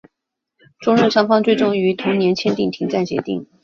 中日双方最终于同年签订停战协定。